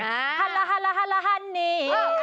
ฮัลล่าฮัลล่าฮัลล่าฮันนี่